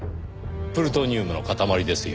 プルトニウムの塊ですよ